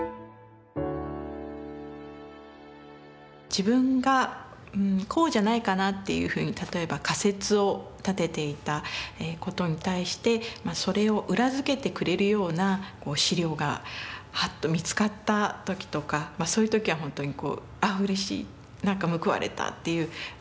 自分がこうじゃないかなっていうふうに例えば仮説を立てていたことに対してそれを裏付けてくれるような資料がはっと見つかった時とかそういう時は本当に「あっうれしい何か報われた」っていう感じがします。